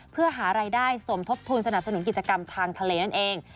เพื่อหารายได้สมทบทุนสนับสนุนกิจกรรมทางทะเลนั่นเอง